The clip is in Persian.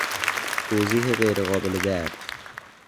توضیح غیر قابل درک